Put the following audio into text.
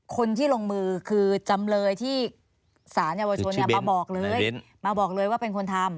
คนที่ลงมือคือจำเลยที่สารเยาวชนมาบอกเลยมาบอกเลยว่าเป็นคนทำ